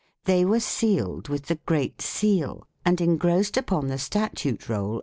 They were sealed with the Great Seal and engrossed upon the Statute Roll .